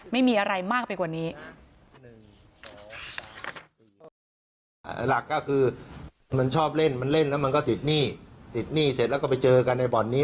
ไม่มีอะไรมากไปกว่านี้